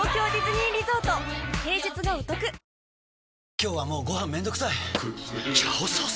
今日はもうご飯めんどくさい「炒ソース」！？